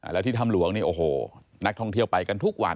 แล้วที่ถ้ำหลวงนี่โอ้โหนักท่องเที่ยวไปกันทุกวัน